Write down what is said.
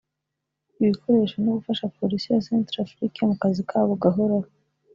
ibikoresho no gufasha Polisi ya Centrafrique mu kazi kabo gahoraho